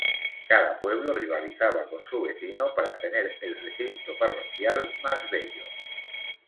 Cada pueblo rivalizaba con su vecino para tener el recinto parroquial más bello.